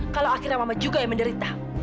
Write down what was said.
kalau akhirnya mama juga yang menderita